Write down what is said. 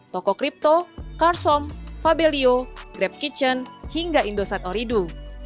toko kripto karsom fabelio grab kitchen hingga indosat oridu